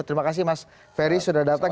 terima kasih mas ferry sudah datang